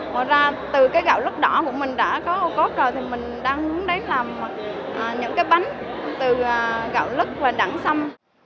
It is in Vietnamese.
và ra từ cái gạo lứt đỏ của mình đã có ô cốt rồi thì mình đang hướng đến làm những cái bánh từ gạo lứt và đẳng xăm